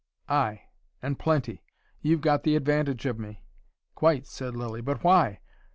"Ay. And plenty. You've got the advantage of me." "Quite," said Lilly. "But why?